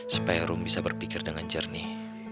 supaya room bisa berpikir dengan jernih